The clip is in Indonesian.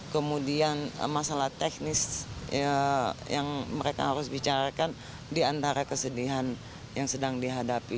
kemudian masalah teknis yang mereka harus bicarakan di antara kesedihan yang sedang dihadapi